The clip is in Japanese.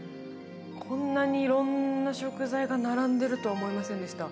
こんなに色んな食材が並んでるとは思いませんでした